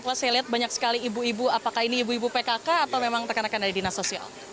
karena saya lihat banyak sekali ibu ibu apakah ini ibu ibu pkk atau memang terkena kena di dinas sosial